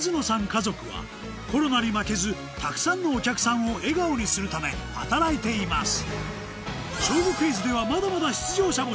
家族はコロナに負けずたくさんのお客さんを笑顔にするため働いています